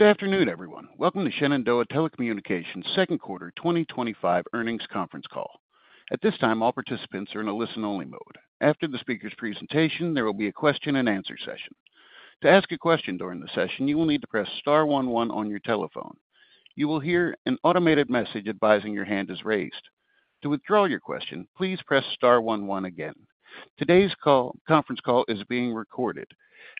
Good afternoon, everyone. Welcome to Shenandoah Telecommunications Company's second quarter 2025 earnings conference call. At this time, all participants are in a listen-only mode. After the speaker's presentation, there will be a question-and-answer session. To ask a question during the session, you will need to press star one one on your telephone. You will hear an automated message advising your hand is raised. To withdraw your question, please press star one one again. Today's conference call is being recorded.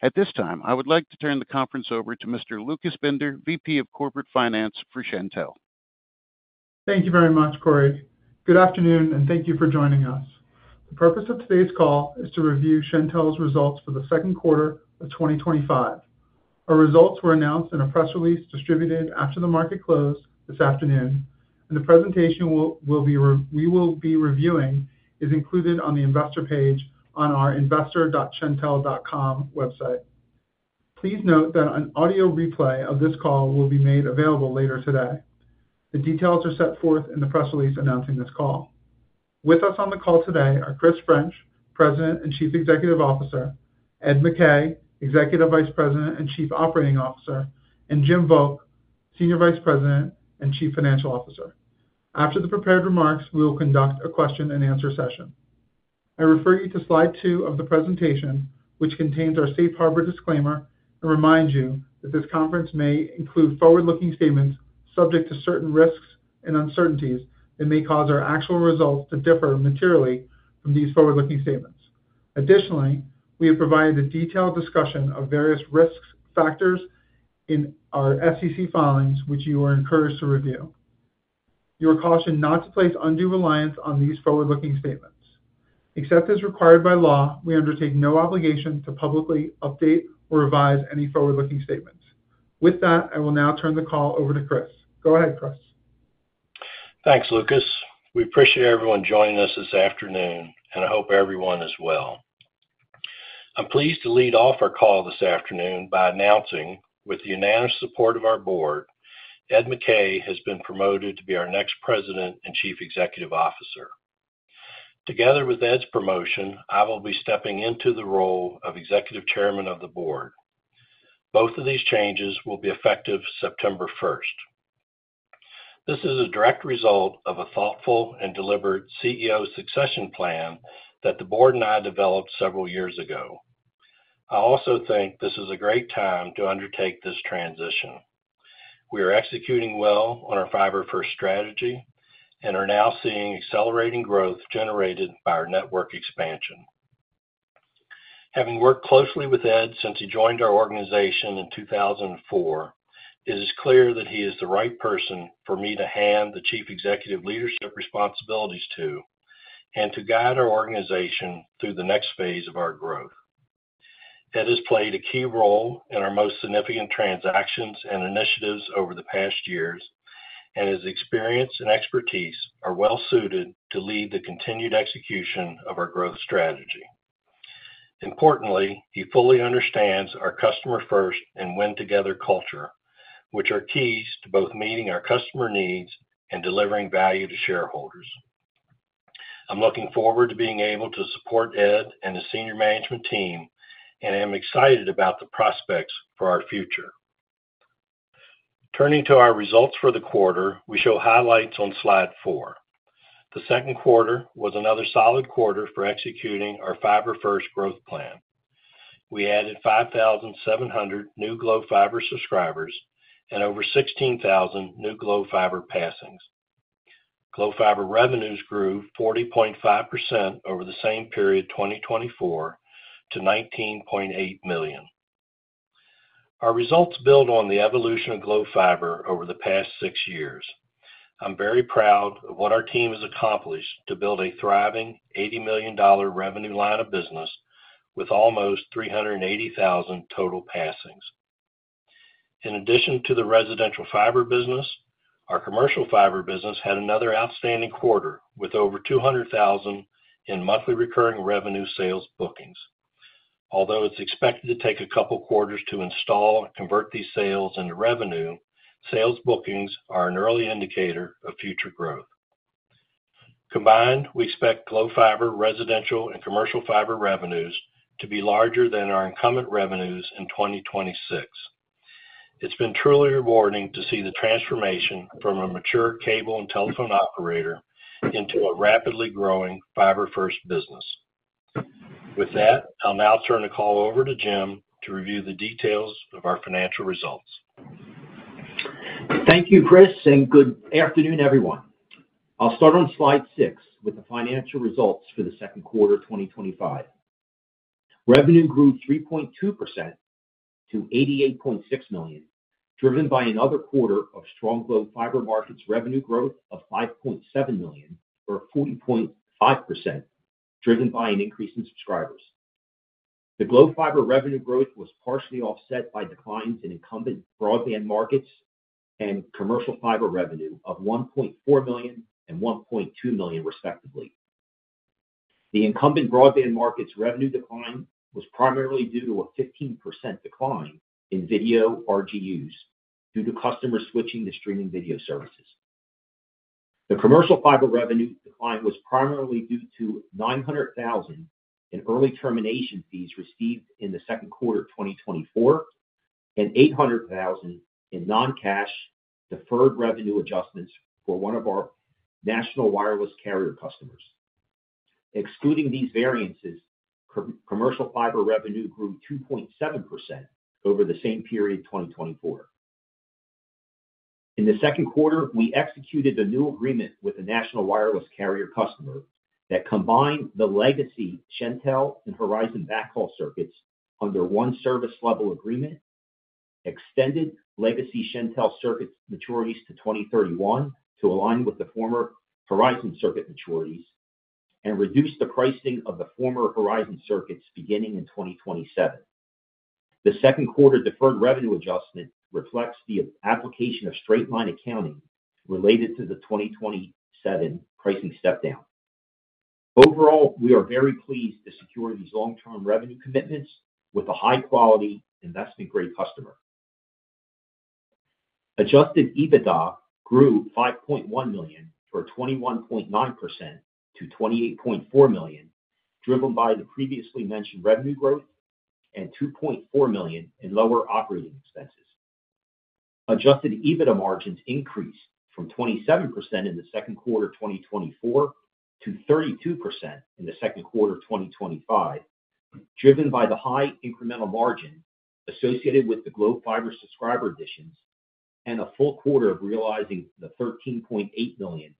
At this time, I would like to turn the conference over to Mr. Lucas Binder, VP of Corporate Finance for Shentel. Thank you very much, Corey. Good afternoon, and thank you for joining us. The purpose of today's call is to review Shentel's results for the second quarter of 2025. Our results were announced in a press release distributed after the market close this afternoon, and the presentation we will be reviewing is included on the investor page on our investor.shentel.com website. Please note that an audio replay of this call will be made available later today. The details are set forth in the press release announcing this call. With us on the call today are Christopher French, President and Chief Executive Officer, Ed McKay, Executive Vice President and Chief Operating Officer, and James Volk, Senior Vice President and Chief Financial Officer. After the prepared remarks, we will conduct a question-and-answer session. I refer you to slide two of the presentation, which contains our safe harbor disclaimer and reminds you that this conference may include forward-looking statements subject to certain risks and uncertainties that may cause our actual results to differ materially from these forward-looking statements. Additionally, we have provided a detailed discussion of various risk factors in our SEC filings, which you are encouraged to review. You are cautioned not to place undue reliance on these forward-looking statements. Except as required by law, we undertake no obligation to publicly update or revise any forward-looking statements. With that, I will now turn the call over to Chris. Go ahead, Chris. Thanks, Lucas. We appreciate everyone joining us this afternoon, and I hope everyone is well. I'm pleased to lead off our call this afternoon by announcing, with the announced support of our board, Ed McKay has been promoted to be our next President and Chief Executive Officer. Together with Ed's promotion, I will be stepping into the role of Executive Chairman of the board. Both of these changes will be effective September 1st. This is a direct result of a thoughtful and deliberate CEO succession plan that the board and I developed several years ago. I also think this is a great time to undertake this transition. We are executing well on our fiber-first growth strategy and are now seeing accelerating growth generated by our network expansion. Having worked closely with Ed since he joined our organization in 2004, it is clear that he is the right person for me to hand the chief executive leadership responsibilities to and to guide our organization through the next phase of our growth. Ed has played a key role in our most significant transactions and initiatives over the past years, and his experience and expertise are well suited to lead the continued execution of our growth strategy. Importantly, he fully understands our customer-first and win-together culture, which are keys to both meeting our customer needs and delivering value to shareholders. I'm looking forward to being able to support Ed and his senior management team, and I'm excited about the prospects for our future. Turning to our results for the quarter, we show highlights on slide four. The second quarter was another solid quarter for executing our fiber-first growth plan. We added 5,700 new Globe Fiber subscribers and over 16,000 new Globe Fiber passings. Globe Fiber revenues grew 40.5% over the same period, 2024, to $19.8 million. Our results build on the evolution of Globe Fiber over the past six years. I'm very proud of what our team has accomplished to build a thriving $80 million revenue line of business with almost 380,000 total passings. In addition to the residential fiber business, our commercial fiber business had another outstanding quarter with over $200,000 in monthly recurring revenue sales bookings. Although it's expected to take a couple of quarters to install and convert these sales into revenue, sales bookings are an early indicator of future growth. Combined, we expect Globe Fiber residential and commercial fiber revenues to be larger than our incumbent revenues in 2026. It's been truly rewarding to see the transformation from a mature cable and telephone operator into a rapidly growing fiber-first business. With that, I'll now turn the call over to Jim to review the details of our financial results. Thank you, Chris, and good afternoon, everyone. I'll start on slide six with the financial results for the second quarter of 2025. Revenue grew 3.2% to $88.6 million, driven by another quarter of strong Globe Fiber Markets' revenue growth of $5.7 million, or 40.5%, driven by an increase in subscribers. The Globe Fiber revenue growth was partially offset by declines in incumbent broadband markets and commercial fiber revenue of $1.4 million and $1.2 million, respectively. The incumbent broadband markets' revenue decline was primarily due to a 15% decline in video RGUs due to customers switching to streaming video services. The commercial fiber revenue decline was primarily due to $900,000 in early termination fees received in the second quarter of 2024 and $800,000 in non-cash deferred revenue adjustments for one of our national wireless carrier customers. Excluding these variances, commercial fiber revenue grew 2.7% over the same period, 2024. In the second quarter, we executed a new agreement with a national wireless carrier customer that combined the legacy Shentel and Horizon backhaul circuits under one service-level agreement, extended legacy Shentel circuit maturities to 2031 to align with the former Horizon circuit maturities, and reduced the pricing of the former Horizon circuits beginning in 2027. The second quarter deferred revenue adjustment reflects the application of straight-line accounting related to the 2027 pricing stepdown. Overall, we are very pleased to secure these long-term revenue commitments with a high-quality investment-grade customer. Adjusted EBITDA grew $5.1 million, or 21.9%, to $28.4 million, driven by the previously mentioned revenue growth and $2.4 million in lower operating expenses. Adjusted EBITDA margins increased from 27% in the second quarter of 2024 to 32% in the second quarter of 2025, driven by the high incremental margin associated with the Globe Fiber subscriber additions and a full quarter of realizing the $13.8 million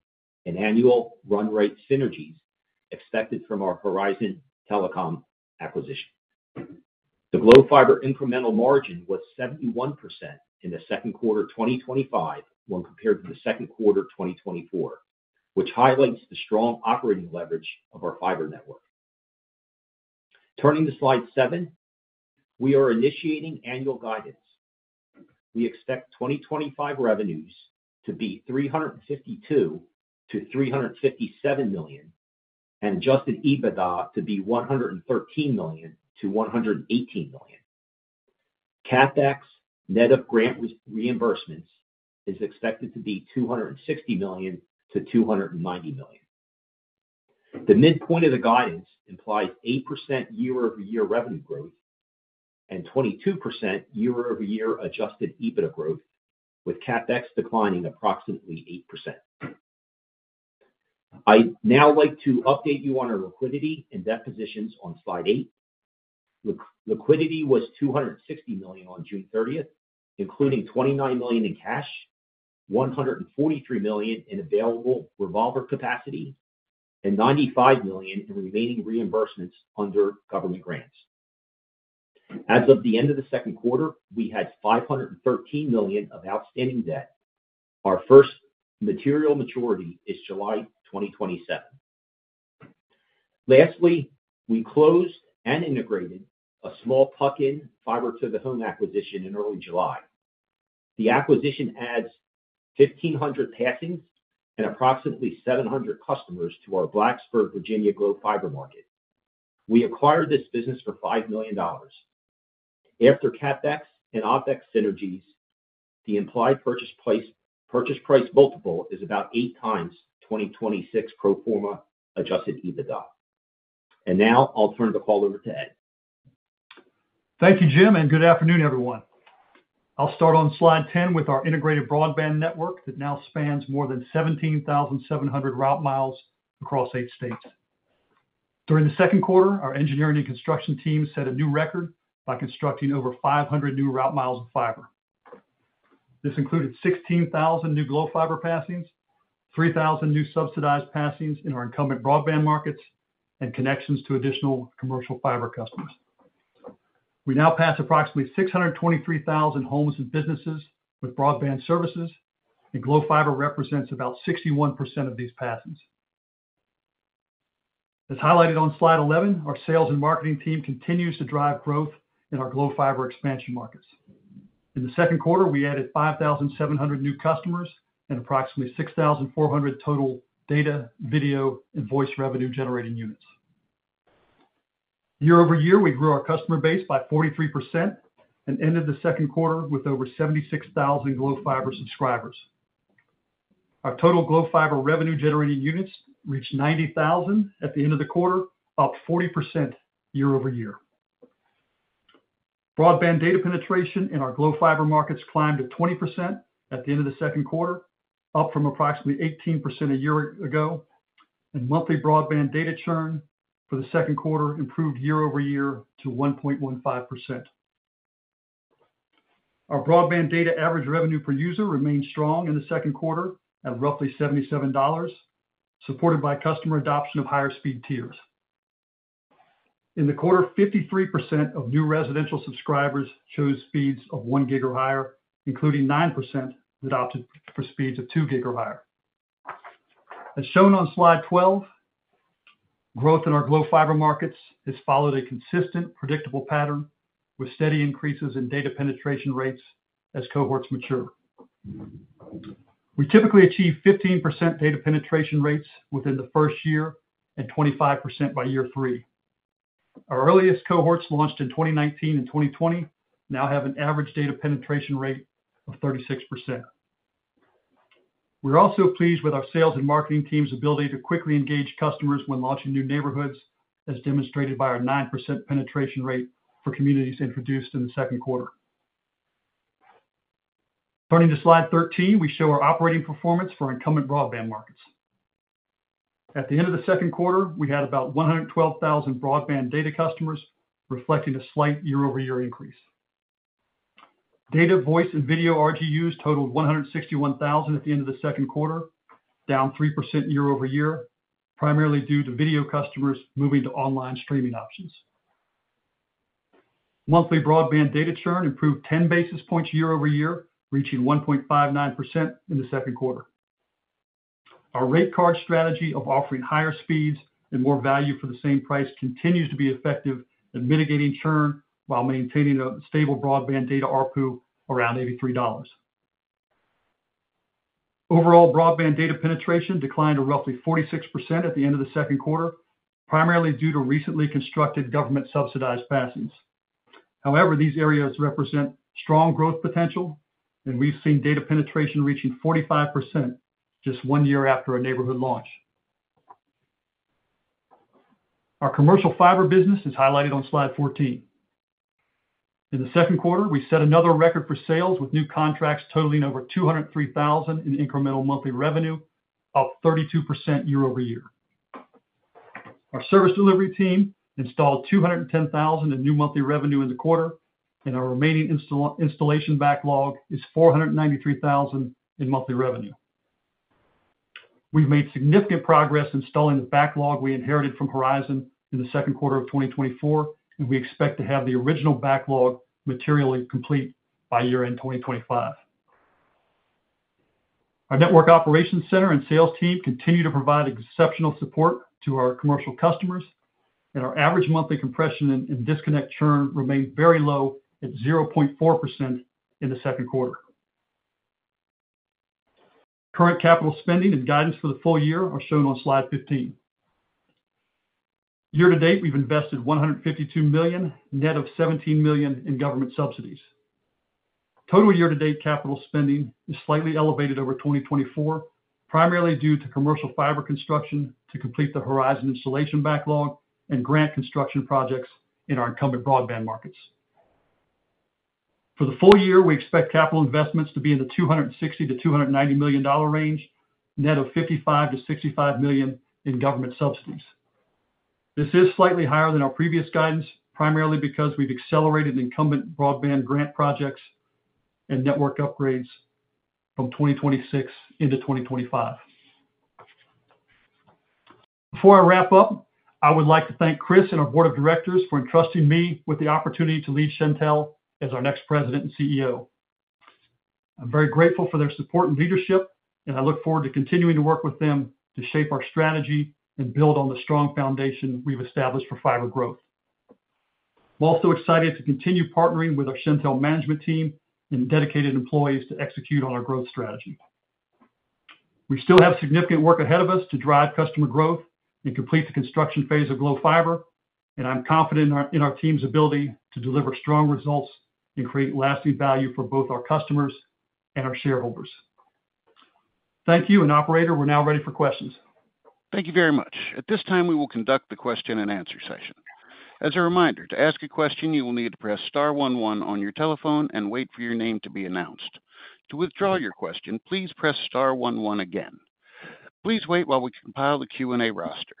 in annual run-rate synergies expected from our Horizon Telecom acquisition. The Globe Fiber incremental margin was 71% in the second quarter of 2025 when compared to the second quarter of 2024, which highlights the strong operating leverage of our fiber network. Turning to slide seven, we are initiating annual guidance. We expect 2025 revenues to be $352 million-$357 million and adjusted EBITDA to be $113 million-$118 million. CapEx net of grant reimbursements is expected to be $260 million-$290 million. The midpoint of the guidance implies 8% year-over-year revenue growth and 22% year-over-year adjusted EBITDA growth, with CapEx declining approximately 8%. I'd now like to update you on our liquidity and debt positions on slide eight. Liquidity was $260 million on June 30th, including $29 million in cash, $143 million in available revolver capacity, and $95 million in remaining reimbursements under government grants. As of the end of the second quarter, we had $513 million of outstanding debt. Our first material maturity is July 2027. Lastly, we closed and integrated a small tuck-in fiber-to-the-home acquisition in early July. The acquisition adds 1,500 passings and approximately 700 customers to our Blacksburg, Virginia Globe Fiber market. We acquired this business for $5 million. After CapEx and OpEx synergies, the implied purchase price multiple is about eight times 2026 pro forma adjusted EBITDA. I'll now turn the call over to Ed. Thank you, Jim, and good afternoon, everyone. I'll start on slide 10 with our integrated broadband network that now spans more than 17,700 route miles across eight states. During the second quarter, our engineering and construction teams set a new record by constructing over 500 new route miles of fiber. This included 16,000 new Globe Fiber passings, 3,000 new subsidized passings in our incumbent broadband markets, and connections to additional commercial fiber customers. We now pass approximately 623,000 homes and businesses with broadband services, and Globe Fiber represents about 61% of these passings. As highlighted on slide 11, our sales and marketing team continues to drive growth in our Globe Fiber expansion markets. In the second quarter, we added 5,700 new customers and approximately 6,400 total data, video, and voice revenue-generating units. Year-over-year, we grew our customer base by 43% and ended the second quarter with over 76,000 Globe Fiber subscribers. Our total Globe Fiber revenue-generating units reached 90,000 at the end of the quarter, up 40% year-over-year. Broadband data penetration in our Globe Fiber markets climbed to 20% at the end of the second quarter, up from approximately 18% a year ago, and monthly broadband data churn for the second quarter improved year-over-year to 1.15%. Our broadband data average revenue per user remained strong in the second quarter at roughly $77, supported by customer adoption of higher speed tiers. In the quarter, 53% of new residential subscribers chose speeds of 1 Gb or higher, including 9% who opted for speeds of 2 Gb or higher. As shown on slide 12, growth in our Globe Fiber markets has followed a consistent, predictable pattern with steady increases in data penetration rates as cohorts mature. We typically achieve 15% data penetration rates within the first year and 25% by year three. Our earliest cohorts launched in 2019 and 2020 now have an average data penetration rate of 36%. We're also pleased with our sales and marketing team's ability to quickly engage customers when launching new neighborhoods, as demonstrated by our 9% penetration rate for communities introduced in the second quarter. Turning to slide 13, we show our operating performance for our incumbent broadband markets. At the end of the second quarter, we had about 112,000 broadband data customers, reflecting a slight year-over-year increase. Data, voice, and video RGUs totaled 161,000 at the end of the second quarter, down 3% year-over-year, primarily due to video customers moving to online streaming options. Monthly broadband data churn improved 10 basis points year-over-year, reaching 1.59% in the second quarter. Our rate card strategy of offering higher speeds and more value for the same price continues to be effective at mitigating churn while maintaining a stable broadband data ARPU around $83. Overall, broadband data penetration declined to roughly 46% at the end of the second quarter, primarily due to recently constructed government-subsidized passings. However, these areas represent strong growth potential, and we've seen data penetration reaching 45% just one year after our neighborhood launch. Our commercial fiber business is highlighted on slide 14. In the second quarter, we set another record for sales with new contracts totaling over $203,000 in incremental monthly revenue, up 32% year-over-year. Our service delivery team installed $210,000 in new monthly revenue in the quarter, and our remaining installation backlog is $493,000 in monthly revenue. We've made significant progress installing the backlog we inherited from Horizon Telecom in the second quarter of 2024, and we expect to have the original backlog materially complete by year-end 2025. Our network operations center and sales team continue to provide exceptional support to our commercial customers, and our average monthly compression and disconnect churn remained very low at 0.4% in the second quarter. Current capital spending and guidance for the full year are shown on slide 15. Year-to-date, we've invested $152 million, net of $17 million in government subsidies. Total year-to-date capital spending is slightly elevated over 2024, primarily due to commercial fiber construction to complete the Horizon Telecom installation backlog and grant construction projects in our incumbent broadband markets. For the full year, we expect capital investments to be in the $260 million-$290 million range, net of $55 million-$65 million in government subsidies. This is slightly higher than our previous guidance, primarily because we've accelerated incumbent broadband grant projects and network upgrades from 2026 into 2025. Before I wrap up, I would like to thank Chris and our board of directors for entrusting me with the opportunity to lead Shentel as our next President and CEO. I'm very grateful for their support and leadership, and I look forward to continuing to work with them to shape our strategy and build on the strong foundation we've established for fiber growth. I'm also excited to continue partnering with our Shentel management team and dedicated employees to execute on our growth strategy. We still have significant work ahead of us to drive customer growth and complete the construction phase of Globe Fiber, and I'm confident in our team's ability to deliver strong results and create lasting value for both our customers and our shareholders. Thank you, and operator, we're now ready for questions. Thank you very much. At this time, we will conduct the question-and-answer session. As a reminder, to ask a question, you will need to press star one one on your telephone and wait for your name to be announced. To withdraw your question, please press star one one again. Please wait while we compile the Q&A roster.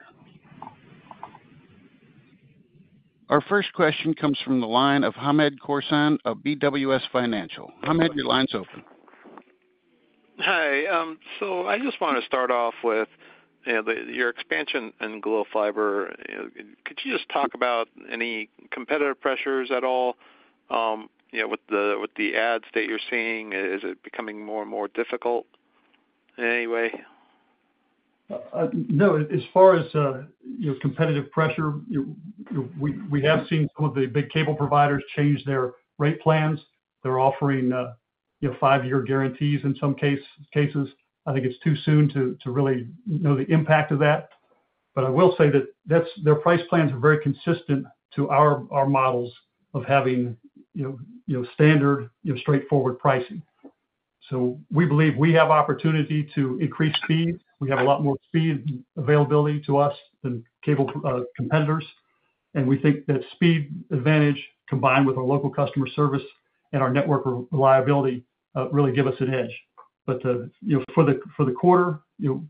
Our first question comes from the line of Hamed Khorsand of BWS Financial. Hamed, your line's open. Hi, I just want to start off with your expansion in Globe Fiber. Could you talk about any competitive pressures at all? With the ads that you're seeing, is it becoming more and more difficult in any way? No, as far as competitive pressure, we have seen some of the big cable providers change their rate plans. They're offering five-year guarantees in some cases. I think it's too soon to really know the impact of that. I will say that their price plans are very consistent to our models of having standard, straightforward pricing. We believe we have opportunity to increase speed. We have a lot more speed and availability to us than cable competitors. We think that speed advantage, combined with our local customer service and our network reliability, really give us an edge. For the quarter,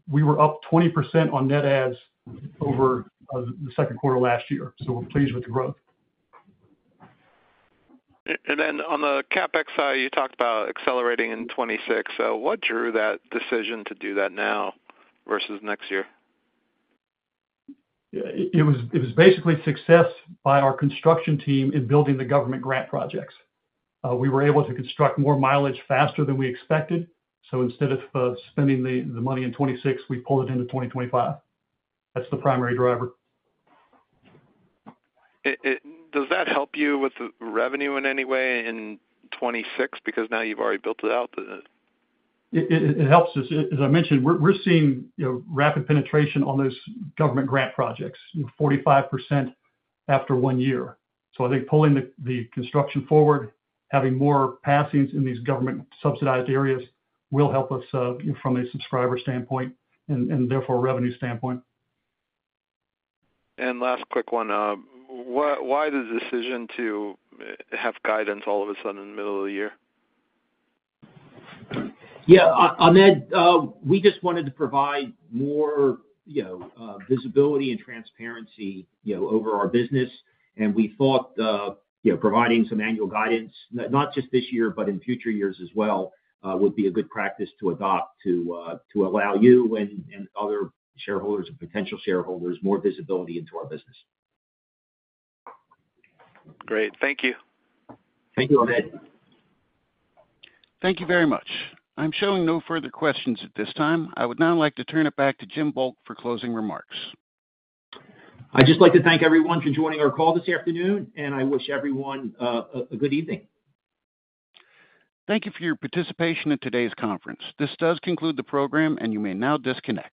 we were up 20% on net ads over the second quarter last year. We're pleased with the growth. On the CapEx side, you talked about accelerating in 2026. What drew that decision to do that now versus next year? It was basically success by our construction team in building the government grant projects. We were able to construct more mileage faster than we expected. Instead of spending the money in 2026, we pulled it into 2025. That's the primary driver. Does that help you with the revenue in any way in 2026 because now you've already built it out? It helps us. As I mentioned, we're seeing rapid penetration on those government grant projects, 45% after one year. I think pulling the construction forward, having more passings in these government subsidized areas will help us from a subscriber standpoint and therefore a revenue standpoint. Why the decision to have guidance all of a sudden in the middle of the year? Hamed, we just wanted to provide more visibility and transparency over our business. We thought providing some annual guidance, not just this year but in future years as well, would be a good practice to adopt to allow you and other shareholders and potential shareholders more visibility into our business. Great. Thank you. Thank you, Hamed. Thank you very much. I'm showing no further questions at this time. I would now like to turn it back to James Volk for closing remarks. I'd just like to thank everyone for joining our call this afternoon, and I wish everyone a good evening. Thank you for your participation in today's conference. This does conclude the program, and you may now disconnect.